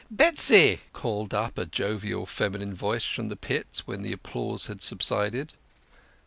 "Betsy !" called up a jovial feminine voice from the pit, when the applause had subsided.